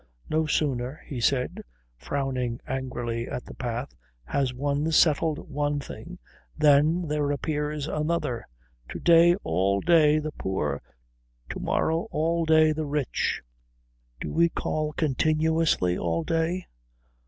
"No sooner," he said, frowning angrily at the path, "has one settled one thing than there appears another. To day, all day the poor. To morrow, all day the rich " "Do we call continuously all day?"